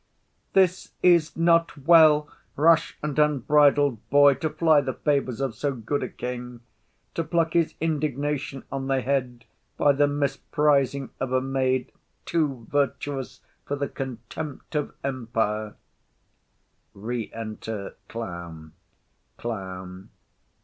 This is not well, rash and unbridled boy, To fly the favours of so good a king, To pluck his indignation on thy head By the misprizing of a maid too virtuous For the contempt of empire. Enter Clown. CLOWN.